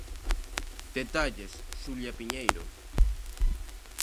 Detalles, Xulia Piñeiro.